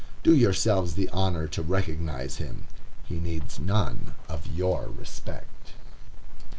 Do yourselves the honor to recognize him. He needs none of your respect.